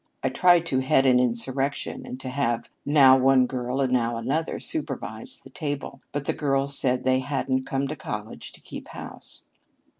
I tried to head an insurrection and to have now one girl and now another supervise the table, but the girls said they hadn't come to college to keep house."